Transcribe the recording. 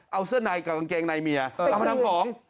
เอาเสื้อในกับกางเกงในเมียเอามาทำของ